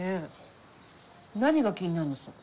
何が気になるのさ？